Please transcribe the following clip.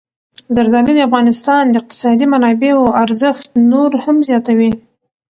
زردالو د افغانستان د اقتصادي منابعو ارزښت نور هم زیاتوي.